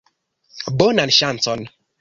Bonan ŝancon!